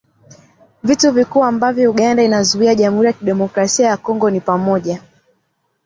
Vitu vikuu ambavyo Uganda inaiuzia Jamuhuri ya Demokrasia ya Kongo ni pamoja